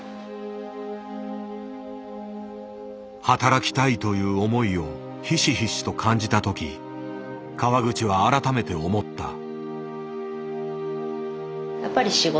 「働きたい」という思いをひしひしと感じた時川口は改めて思った。